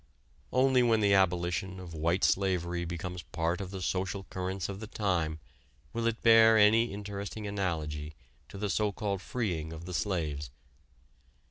Only when the abolition of "white slavery" becomes part of the social currents of the time will it bear any interesting analogy to the so called freeing of the slaves.